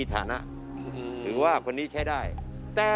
ต้องพิสูจน์ดู